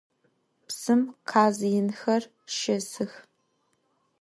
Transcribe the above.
Psım khaz yinxer şêsıx.